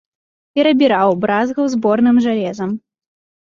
Перабіраў, бразгаў зборным жалезам.